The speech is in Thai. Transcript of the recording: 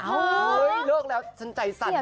เห้ยเลิกแล้วฉันใจสั่นเลยอ่ะ